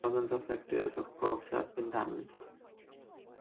Thousands of hectares of crops have been damaged.